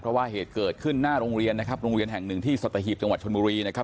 เพราะว่าที่เกิดขึ้นอาบหน้าโรงเรียนนะครับโรงเรียนอยู่อยู่แห่งหนึ่งที่สัตว์ตะหีบจังหวัดชลบุรีนะครับ